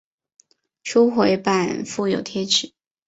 初回版附有贴纸。